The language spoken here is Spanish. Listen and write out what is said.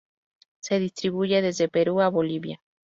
Se distribuye desde Perú a Bolivia.